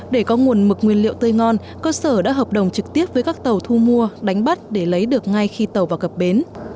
để có nguồn mực nguyên liệu tươi ngon cơ sở đã hợp đồng trực tiếp với các tàu thu mua đánh bắt để lấy được ngay khi tàu vào cập bến